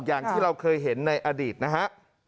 อย่างที่เราเคยเห็นในอดีตนะฮะ